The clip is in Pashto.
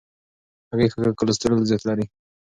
هګۍ ښه کلسترول زیات لري.